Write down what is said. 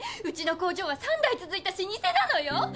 うちの工場は３代続いたしにせなのよ！